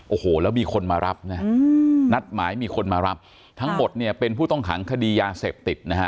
โอ้โหแล้วมีคนมารับนะนัดหมายมีคนมารับทั้งหมดเนี่ยเป็นผู้ต้องขังคดียาเสพติดนะฮะ